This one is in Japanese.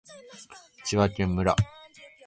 千葉県御宿町